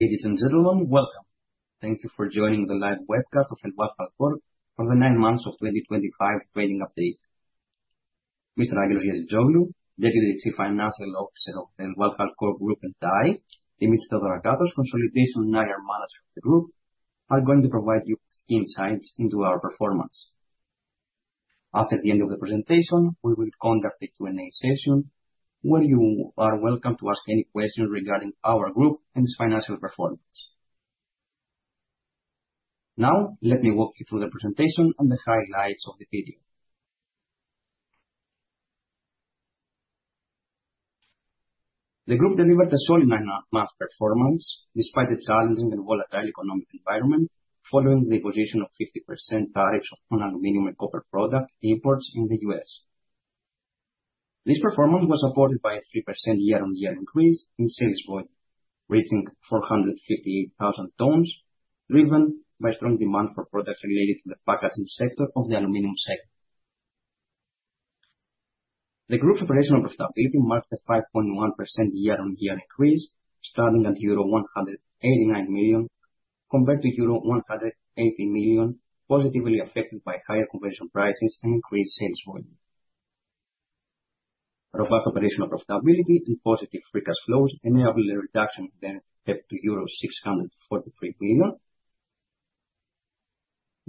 Ladies and gentlemen, welcome. Thank you for joining the live webcast of ElvalHalcor for the nine months of 2025 trading update. Mr. Giazitzoglou, Deputy Chief Financial Officer of ElvalHalcor Group, and I, Dimitrios Theodorakatos, Investor Relations Officer of the group, are going to provide you insights into our performance. After the end of the presentation, we will conduct a Q&A session where you are welcome to ask any questions regarding our group and its financial performance. Now, let me walk you through the presentation and the highlights of the video. The group delivered a solid nine-month performance despite the challenging and volatile economic environment following the imposition of 50% tariffs on aluminum and copper product imports in the U.S. This performance was supported by a 3% year-on-year increase in sales volume, reaching 458,000 tons, driven by strong demand for products related to the packaging sector of the aluminum segment. The group's operational profitability marked a 5.1% year-on-year increase, starting at euro 189 million, compared to euro 180 million, positively affected by higher conversion prices and increased sales volume. Robust operational profitability and positive free cash flows enabled a reduction in the debt to euro 643 million,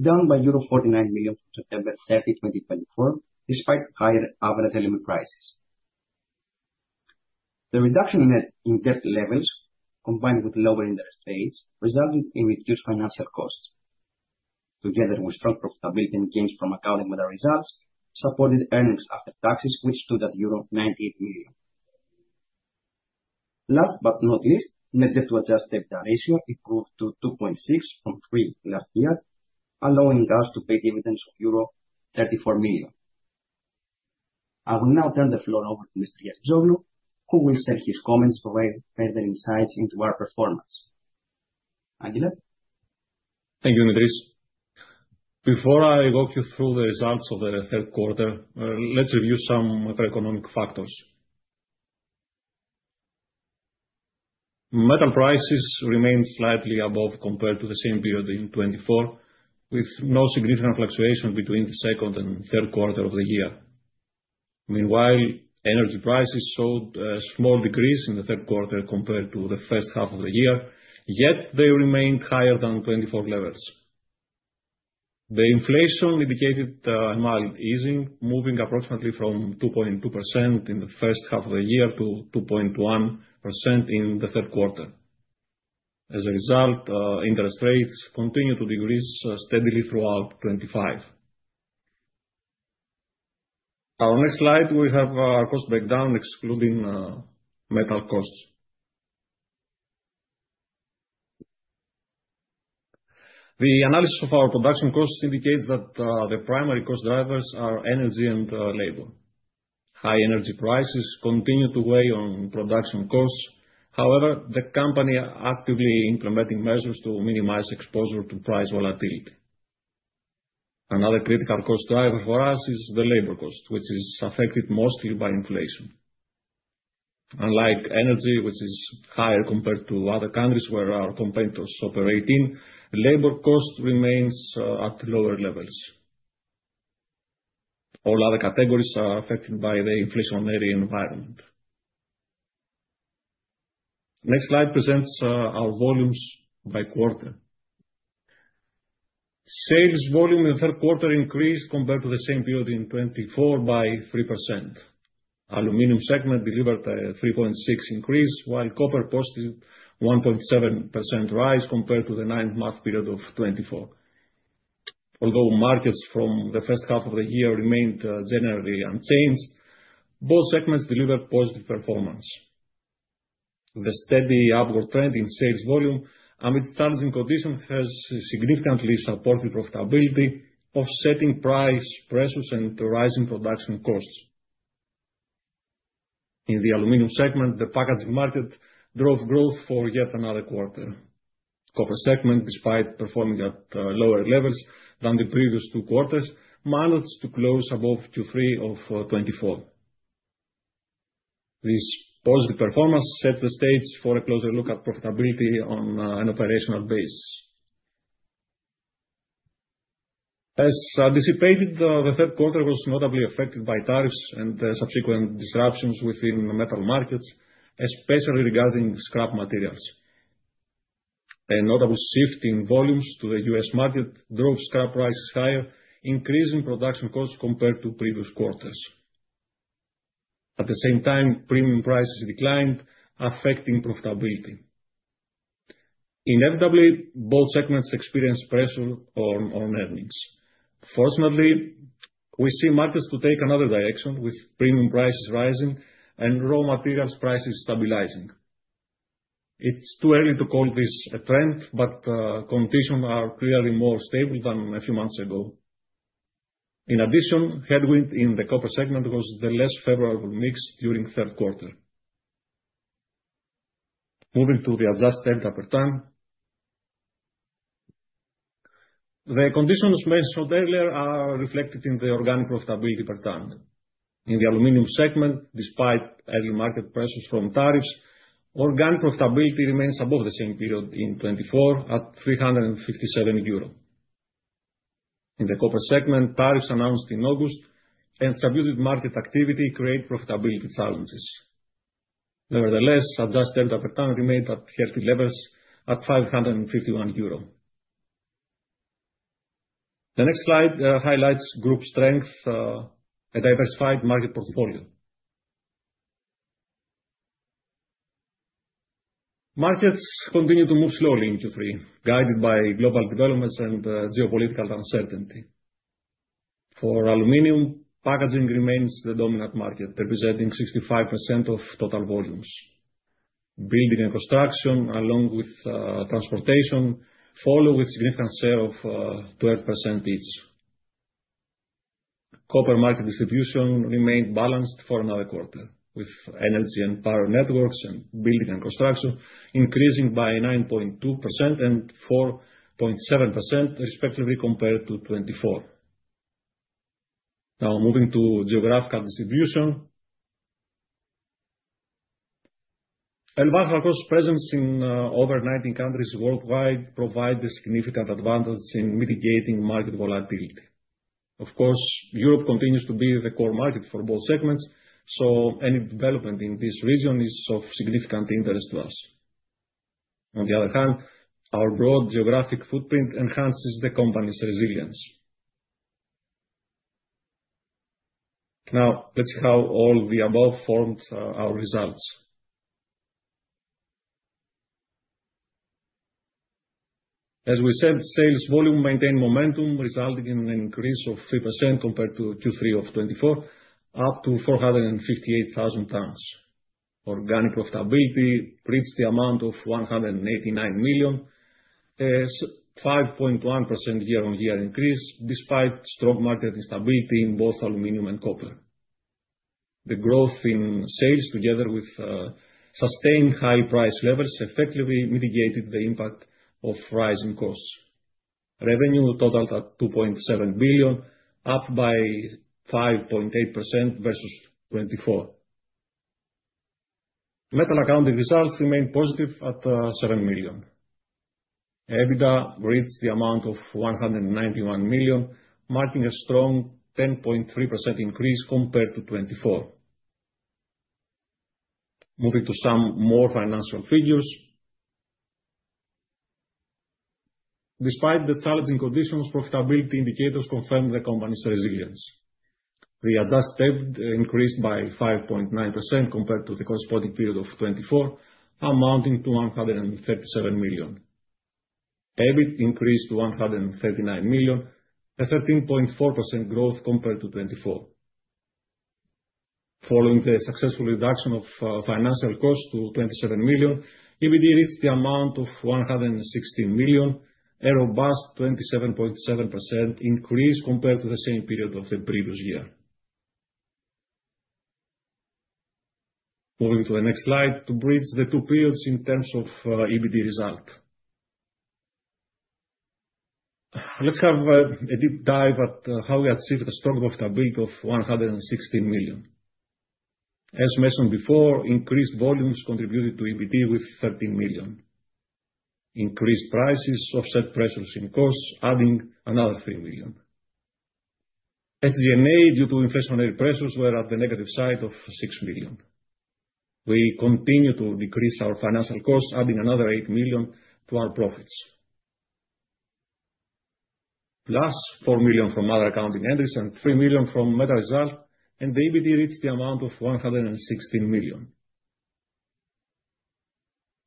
down by euro 49 million from September 30, 2024, despite higher average aluminum prices. The reduction in debt levels, combined with lower interest rates, resulted in reduced financial costs. Together with strong profitability and gains from metal accounting results, supported earnings after taxes, which stood at euro 98 million. Last but not least, Net Debt to Adjusted EBITDA ratio improved to 2.6 from 3 last year, allowing us to pay dividends of euro 34 million. I will now turn the floor over to Mr. Giazitzoglou, who will share his comments, provide further insights into our performance. Angel? Thank you, Dimitrios. Before I walk you through the results of the third quarter, let's review some macroeconomic factors. Metal prices remained slightly above compared to the same period in 2024, with no significant fluctuation between the second and third quarter of the year. Meanwhile, energy prices showed a small decrease in the third quarter compared to the first half of the year, yet they remained higher than 2024 levels. The inflation indicated mild easing, moving approximately from 2.2% in the first half of the year to 2.1% in the third quarter. As a result, interest rates continued to decrease steadily throughout 2025. Our next slide, we have our cost breakdown, excluding metal costs. The analysis of our production costs indicates that the primary cost drivers are energy and labor. High energy prices continue to weigh on production costs. However, the company are actively implementing measures to minimize exposure to price volatility. Another critical cost driver for us is the labor cost, which is affected mostly by inflation. Unlike energy, which is higher compared to other countries where our competitors operate in, labor cost remains at lower levels. All other categories are affected by the inflationary environment. Next slide presents our volumes by quarter. Sales volume in the third quarter increased compared to the same period in 2024 by 3%. Aluminum segment delivered a 3.6% increase, while copper posted 1.7% rise compared to the nine-month period of 2024. Although markets from the first half of the year remained generally unchanged, both segments delivered positive performance. The steady upward trend in sales volume amid challenging conditions has significantly supported profitability, offsetting price pressures and rising production costs. In the Aluminum segment, the packaging market drove growth for yet another quarter. Copper segment, despite performing at lower levels than the previous two quarters, managed to close above Q3 of 2024. This positive performance sets the stage for a closer look at profitability on an operational basis. As anticipated, the third quarter was notably affected by tariffs and the subsequent disruptions within the metal markets, especially regarding scrap materials. A notable shift in volumes to the U.S. market drove scrap prices higher, increasing production costs compared to previous quarters. At the same time, premium prices declined, affecting profitability. Inevitably, both segments experienced pressure on earnings. Fortunately, we see markets to take another direction, with premium prices rising and raw materials prices stabilizing. It's too early to call this a trend, but conditions are clearly more stable than a few months ago. In addition, headwind in the copper segment was the less favorable mix during third quarter. Moving to the Adjusted EBITDA per ton. The conditions mentioned earlier are reflected in the organic profitability per ton. In the aluminum segment, despite early market pressures from tariffs, organic profitability remains above the same period in 2024 at 357 euro. In the copper segment, tariffs announced in August and subdued market activity create profitability challenges. Nevertheless, Adjusted EBITDA per ton remained at healthy levels at 551 euro. The next slide highlights group strength, a diversified market portfolio. Markets continue to move slowly in Q3, guided by global developments and geopolitical uncertainty. For aluminum, packaging remains the dominant market, representing 65% of total volumes. Building and construction, along with transportation, follow with significant share of 12% each. Copper market distribution remained balanced for another quarter, with energy and power networks and building and construction increasing by 9.2% and 4.7% respectively compared to 2024. Now, moving to geographical distribution. ElvalHalcor's presence in over 19 countries worldwide provide a significant advantage in mitigating market volatility. Of course, Europe continues to be the core market for both segments, so any development in this region is of significant interest to us. On the other hand, our broad geographic footprint enhances the company's resilience. Now, let's see how all the above formed our results. As we said, sales volume maintained momentum, resulting in an increase of 3% compared to Q3 of 2024, up to 458,000 tons. Organic profitability reached the amount of 189 million, a 5.1% year-on-year increase despite strong market instability in both aluminum and copper. The growth in sales, together with sustained high price levels, effectively mitigated the impact of rising costs. Revenue totaled at 2.7 billion, up by 5.8% versus 2024. Metal accounting results remained positive at 7 million. EBITDA reached the amount of 191 million, marking a strong 10.3% increase compared to 2024. Moving to some more financial figures. Despite the challenging conditions, profitability indicators confirm the company's resilience. The Adjusted EBITDA increased by 5.9% compared to the corresponding period of 2024, amounting to 137 million. EBIT increased to 139 million, a 13.4% growth compared to 2024. Following the successful reduction of financial costs to 27 million, EBITDA reached the amount of 160 million, a robust 27.7% increase compared to the same period of the previous year. Moving to the next slide to bridge the two periods in terms of EBITDA result. Let's have a deep dive at how we achieved a strong profitability of 160 million. As mentioned before, increased volumes contributed to EBITDA with 13 million. Increased prices offset pressures in costs, adding another 3 million. SG&A, due to inflationary pressures, were at the negative side of 6 million. We continue to decrease our financial costs, adding another 8 million to our profits. Plus 4 million from other accounting entries and 3 million from metal accounting results, and the EBITDA reached the amount of 116 million.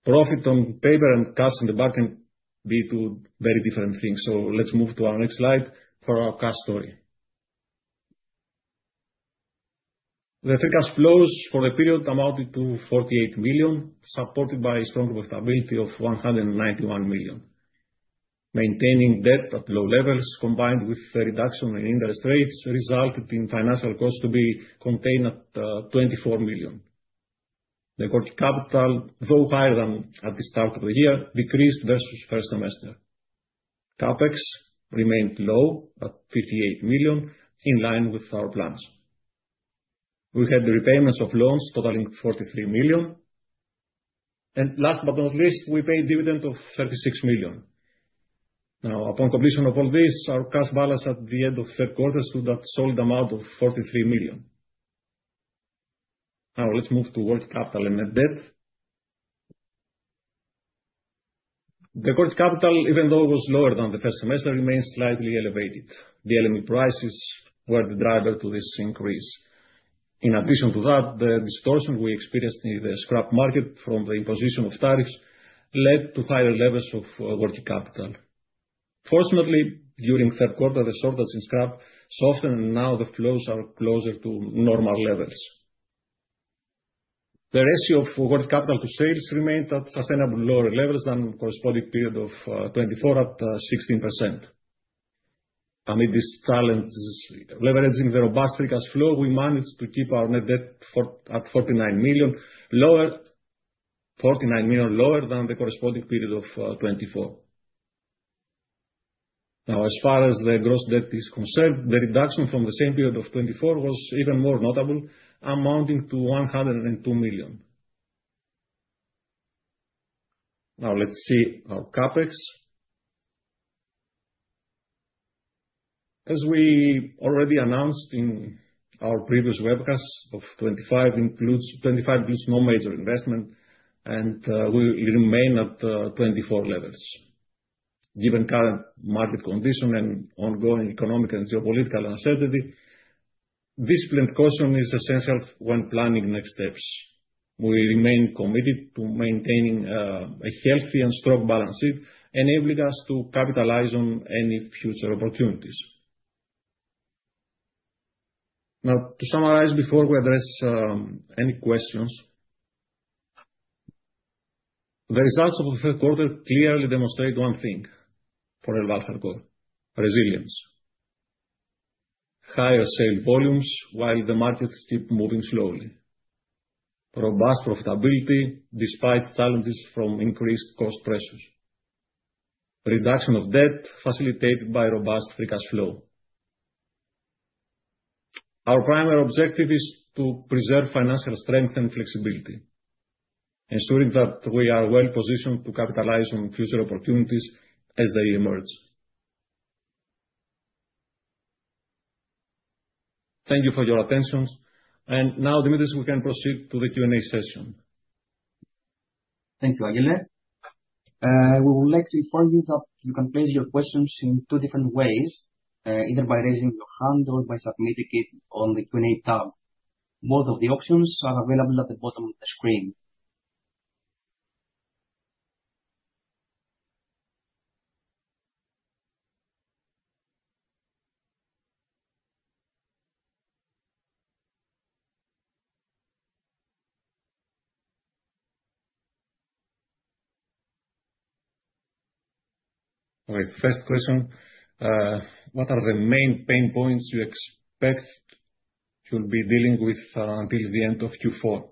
Profit on paper and cash in the bank can be two very different things, so let's move to our next slide for our cash story. The free cash flows for the period amounted to 48 million, supported by strong profitability of 191 million. Maintaining debt at low levels, combined with a reduction in interest rates, resulted in financial costs to be contained at 24 million. The working capital, though higher than at the start of the year, decreased versus first semester. CapEx remained low at 58 million, in line with our plans. We had repayments of loans totaling 43 million. Last but not least, we paid dividend of 36 million. Now, upon completion of all this, our cash balance at the end of third quarter stood at solid amount of 43 million. Now let's move to working capital and net debt. The working capital, even though it was lower than the first semester, remains slightly elevated. The LME prices were the driver to this increase. In addition to that, the distortion we experienced in the scrap market from the imposition of tariffs led to higher levels of working capital. Fortunately, during third quarter, the shortage in scrap softened, and now the flows are closer to normal levels. The ratio of working capital to sales remained at sustainable lower levels than corresponding period of 2024 at 16%. Amid these challenges, leveraging the robust free cash flow, we managed to keep our net debt at 49 million, 49 million lower than the corresponding period of 2024. Now, as far as the gross debt is concerned, the reduction from the same period of 2024 was even more notable, amounting to 102 million. Now let's see our CapEx. As we already announced in our previous webcast, 2025 includes no major investment and will remain at 2024 levels. Given current market condition and ongoing economic and geopolitical uncertainty, disciplined caution is essential when planning next steps. We remain committed to maintaining a healthy and strong balance sheet, enabling us to capitalize on any future opportunities. Now, to summarize, before we address any questions. The results of the third quarter clearly demonstrate one thing for ElvalHalcor, resilience. Higher sale volumes while the markets keep moving slowly. Robust profitability despite challenges from increased cost pressures. Reduction of debt facilitated by robust Free Cash Flow. Our primary objective is to preserve financial strength and flexibility, ensuring that we are well-positioned to capitalize on future opportunities as they emerge. Thank you for your attention. Now, Dimitrios, we can proceed to the Q&A session. Thank you, Angelos. We would like to inform you that you can place your questions in two different ways, either by raising your hand or by submitting it on the Q&A tab. Both of the options are available at the bottom of the screen. All right, first question. What are the main pain points you expect you'll be dealing with until the end of Q4?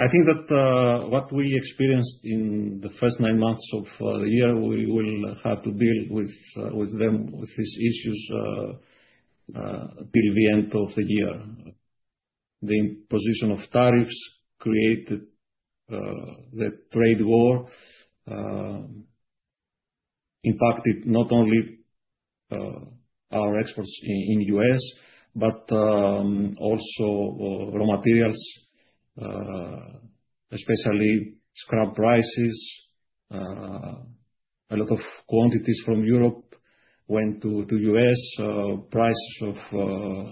I think that what we experienced in the first nine months of the year, we will have to deal with them, with these issues till the end of the year. The imposition of tariffs created the trade war, impacted not only our exports in U.S., but also raw materials, especially scrap prices. A lot of quantities from Europe went to U.S. Prices of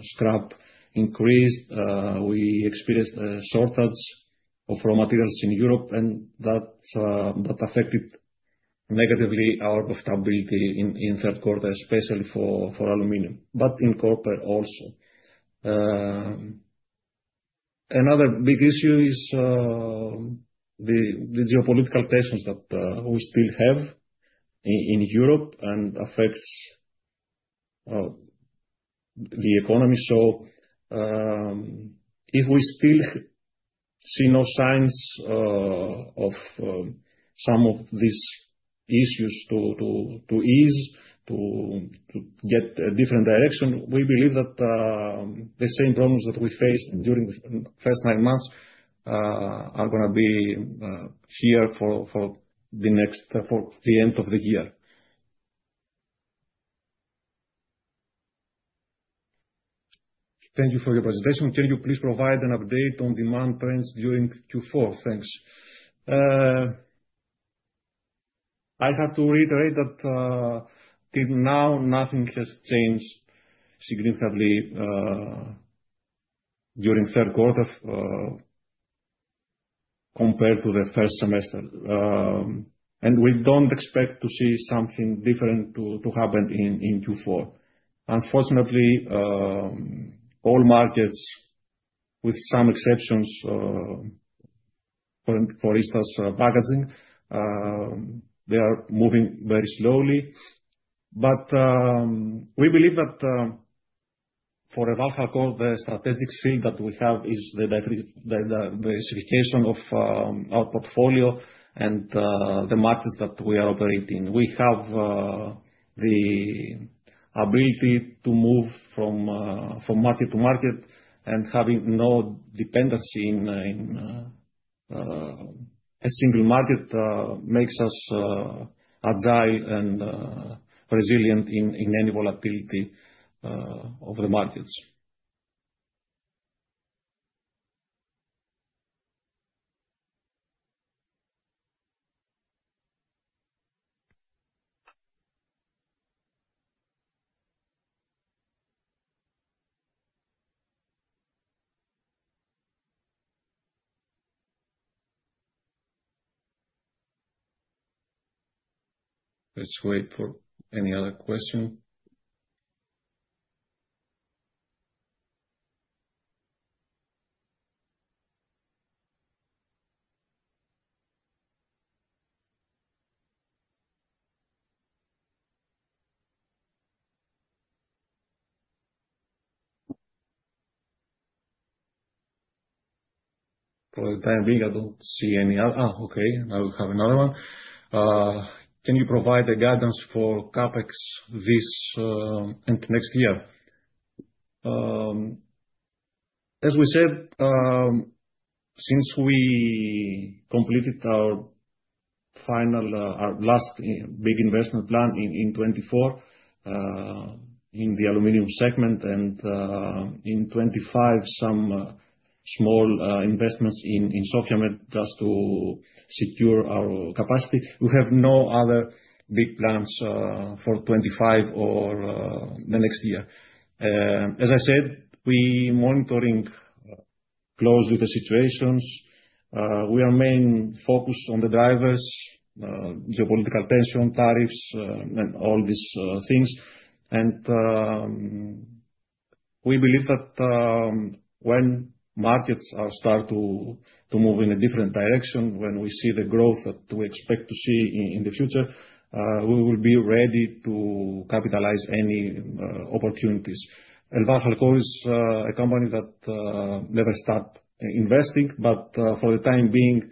scrap increased. We experienced a shortage of raw materials in Europe, and that affected negatively our profitability in third quarter, especially for Aluminum, but in Copper also. Another big issue is the geopolitical tensions that we still have in Europe and affects the economy. If we still see no signs of some of these issues to ease to get a different direction, we believe that the same problems that we faced during the first nine months are gonna be here for the end of the year. Thank you for your presentation. Can you please provide an update on demand trends during Q4? Thanks. I have to reiterate that till now nothing has changed significantly during third quarter compared to the first semester. We don't expect to see something different to happen in Q4. Unfortunately, all markets, with some exceptions, for instance, Packaging, they are moving very slowly. We believe that, for ElvalHalcor, the strategic strength that we have is the diversification of our portfolio and the markets that we operate in. We have the ability to move from market to market, and having no dependency in a single market makes us agile and resilient in any volatility of the markets. Let's wait for any other question. For the time being, I don't see any. Okay, now we have another one. Can you provide the guidance for CapEx this and next year? As we said, since we completed our final, our last big investment plan in 2024, in the aluminum segment and, in 2025, some small investments just to secure our capacity. We have no other big plans, for 2025 or the next year. As I said, we monitoring closely the situations. We are mainly focused on the drivers, geopolitical tension, tariffs, and all these things. We believe that, when markets start to move in a different direction, when we see the growth that we expect to see in the future, we will be ready to capitalize any opportunities. ElvalHalcor is a company that never stop investing, but for the time being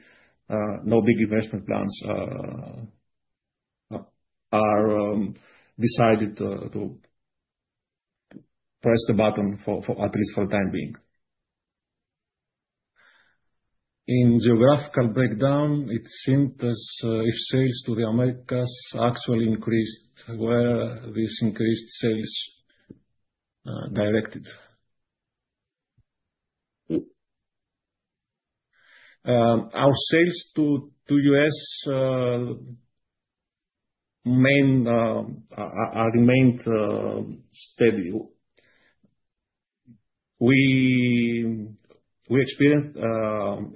no big investment plans are decided to press the button for at least for the time being. In geographical breakdown, it seemed as if sales to the Americas actually increased. Where these increased sales directed? Our sales to U.S. mainly remained stable. We experienced a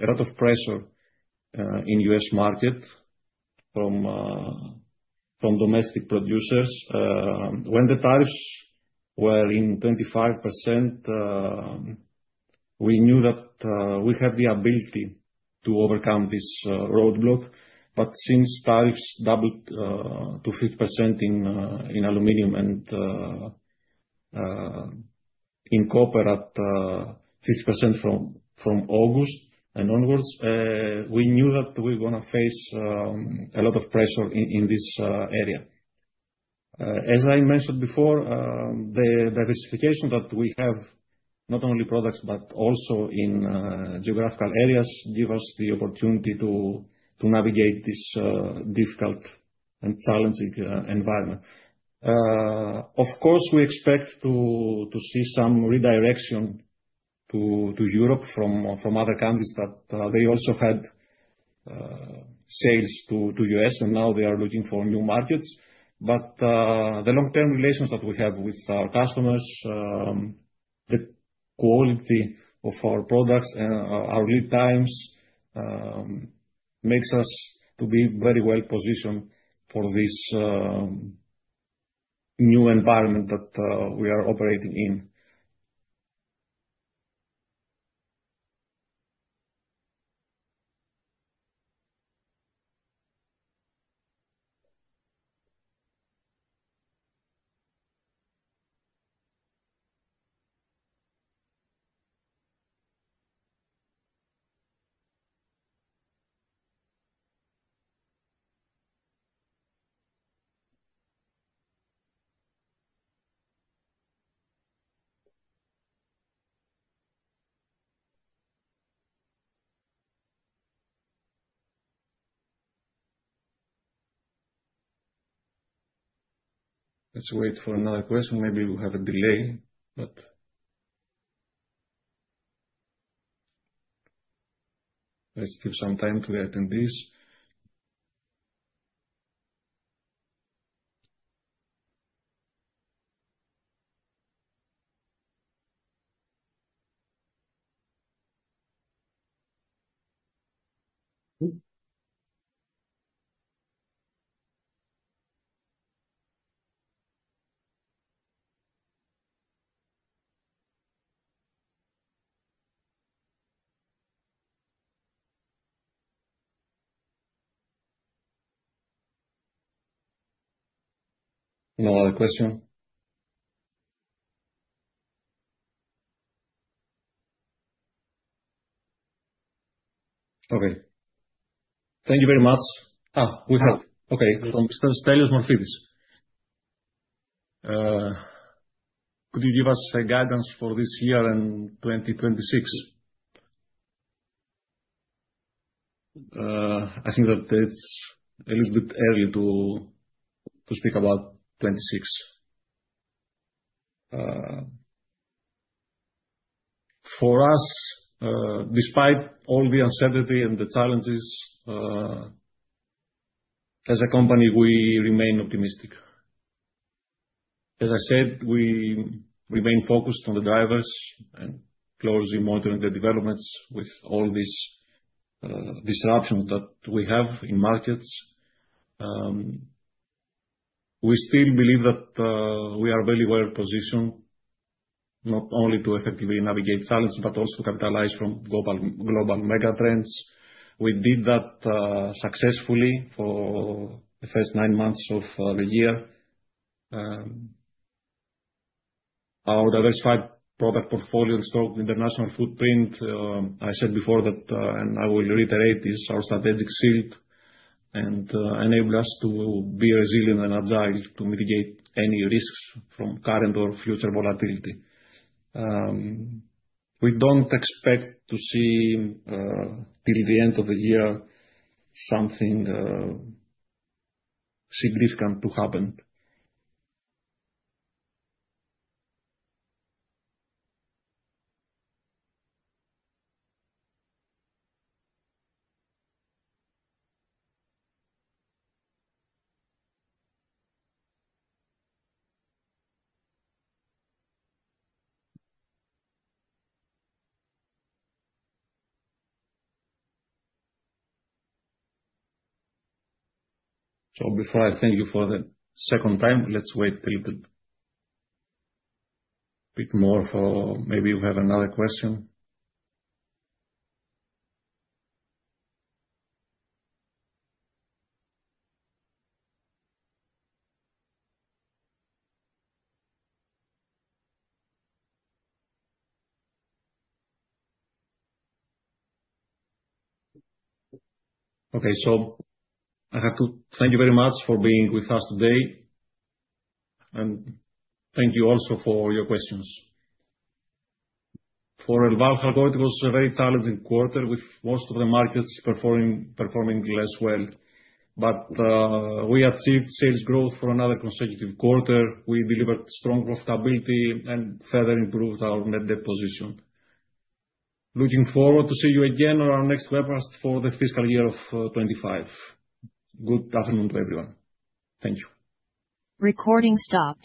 lot of pressure in U.S. market from domestic producers. When the tariffs were 25%, we knew that we have the ability to overcome this roadblock. Since tariffs doubled to 50% in Aluminum and Copper, 50% from August and onwards, we knew that we're gonna face a lot of pressure in this area. As I mentioned before, the diversification that we have, not only products, but also in geographical areas, give us the opportunity to navigate this difficult and challenging environment. Of course, we expect to see some redirection to Europe from other countries that they also had sales to the U.S., and now they are looking for new markets. The long-term relations that we have with our customers, the quality of our products and our lead times, makes us to be very well-positioned for this new environment that we are operating in. Let's wait for another question. Maybe we have a delay. Let's give some time to attend this. No other question? Okay. Thank you very much. We have. Okay. From Stelios Morfidis. Could you give us a guidance for this year and 2026? I think that it's a little bit early to speak about 2026. For us, despite all the uncertainty and the challenges, as a company, we remain optimistic. As I said, we remain focused on the drivers and closely monitoring the developments with all this disruption that we have in markets. We still believe that we are very well-positioned. Not only to effectively navigate challenges, but also to capitalize from global mega trends. We did that successfully for the first nine months of the year. Our diversified product portfolio and strong international footprint. I said before that and I will reiterate, is our strategic shield and enabled us to be resilient and agile to mitigate any risks from current or future volatility. We don't expect to see till the end of the year, something significant to happen. Before I thank you for the second time, let's wait a little bit more for maybe you have another question. Okay. I have to thank you very much for being with us today, and thank you also for your questions. For ElvalHalcor, it was a very challenging quarter, with most of the markets performing less well. We achieved sales growth for another consecutive quarter. We delivered strong profitability and further improved our net debt position. Looking forward to see you again on our next webcast for the fiscal year of 2025. Good afternoon to everyone. Thank you.